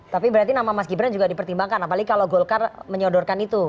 tapi berarti nama mas gibran juga dipertimbangkan apalagi kalau golkar menyodorkan itu